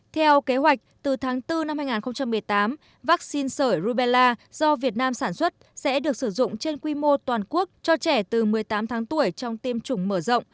theo kế hoạch từ tháng bốn năm hai nghìn một mươi tám vaccine sởi rubella do việt nam sản xuất sẽ được sử dụng trên quy mô toàn quốc cho trẻ từ một mươi tám tháng tuổi trong tiêm chủng mở rộng